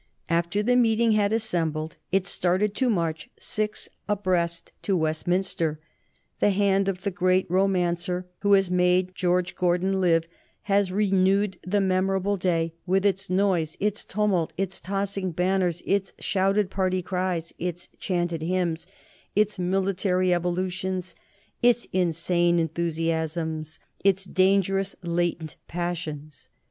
After the meeting had assembled it started to march six abreast to Westminster. The hand of the great romancer who has made George Gordon live has renewed that memorable day, with its noise, its tumult, its tossing banners, its shouted party cries, its chanted hymns, its military evolutions, its insane enthusiasms, its dangerous latent passions.